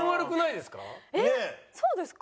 えっそうですか？